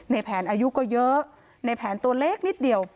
ในแผนอายุก็เยอะในแผนตัวเล็กนิดเดียว